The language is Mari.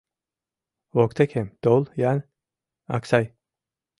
Воктекем тол-ян, Аксай.